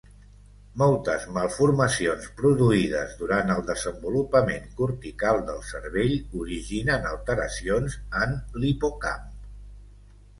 Moltes malformacions produïdes durant el desenvolupament cortical del cervell originen alteracions en l'hipocamp.